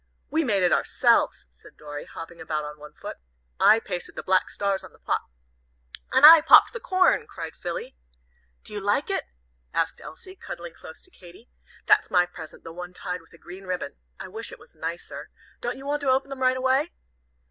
"We made it ourselves," said Dorry, hopping about on one foot; "I pasted the black stars on the pot." "And I popped the corn!" cried Philly. "Do you like it?" asked Elsie, cuddling close to Katy. "That's my present that one tied with a green ribbon. I wish it was nicer! Don't you want to open 'em right away?"